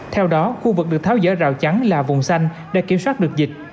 theo đó khu vực được tháo dở rào trắng là vùng xanh để kiểm soát được dịch